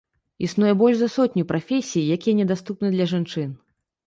Існуе больш за сотню прафесій, якія недаступны для жанчын.